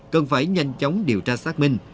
cần phải nhanh chóng điều tra xác minh